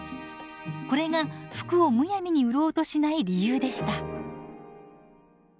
これが服をむやみに売ろうとしない理由でした。